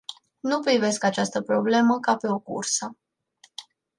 Nu privesc această problemă ca pe o cursă.